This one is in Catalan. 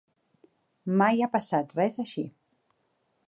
Mai ha passat res així.